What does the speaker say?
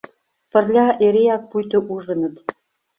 Пырля эреак пуйто ужыныт.